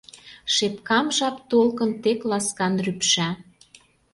Шепкам жап толкын тек ласкан рӱпша.